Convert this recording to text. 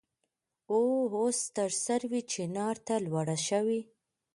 او اوس تر سروې چينار ته لوړه شوې.